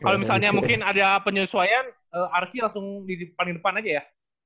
kalau misalnya mungkin ada penyesuaian arki langsung di paling depan aja ya